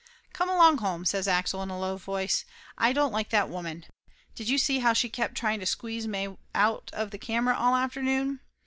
"Come along home," says Axel in a low voice. "Aye don't like that woman. Did you see how she kept tryin' to squeeze may out of the camera all afternoon?